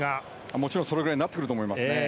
もちろんそのぐらいになってくると思います。